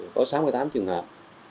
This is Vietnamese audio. có sáu mươi tám trường hợp